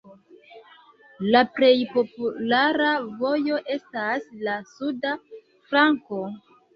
La plej populara vojo estas la suda flanko.